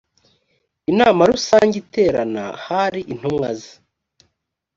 inama rusange iterana hari intumwa ze